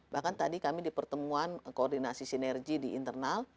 bahkan tadi kami di pertemuan koordinasi sinergi di internal